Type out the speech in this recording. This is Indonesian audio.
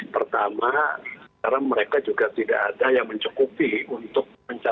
pertama karena mereka juga tidak ada yang mencukupi untuk mencari